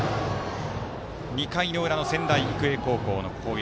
２回の裏の仙台育英高校の攻撃。